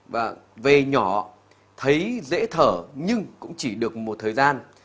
và về nhỏ thấy dễ thở nhưng cũng chỉ được một thời gian